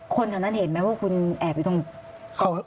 คนแถวนั้นเห็นไหมว่าคุณแอบอยู่ตรง